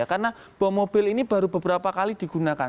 karena bom mobil ini baru beberapa kali digunakan